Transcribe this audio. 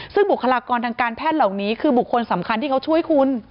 ซึ่งบุคลากรทางการแพทย์เหล่านี้คือบุคคลสำคัญที่เขาช่วยคุณ